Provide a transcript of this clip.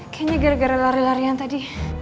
kayaknya gara gara lari larian tadi